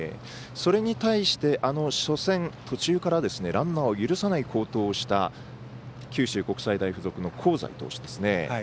それに対して、初戦途中からランナーを許さない好投をした九州国際大付属の香西投手ですね。